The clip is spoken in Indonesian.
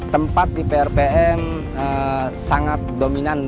tempat di prpm sangat dominan